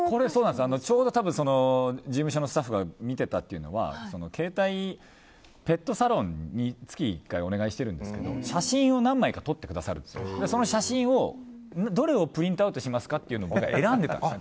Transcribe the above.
ちょうど多分、事務所のスタッフが見てたっていうのはペットサロンに月１回お願いしてるんですけど写真を何枚か撮ってくださってその写真をどれをプリントアウトしますかっていうのを選んで。